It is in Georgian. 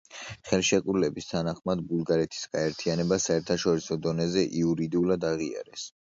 ხელშეკრულების თანახმად ბულგარეთის გაერთიანება საერთაშორისო დონეზე იურიდიულად აღიარეს.